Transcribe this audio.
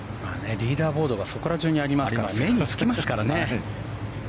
リーダーボードがそこら中にありますから目につきますからね。